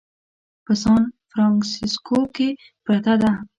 په سان فرانسیسکو کې پرته ده.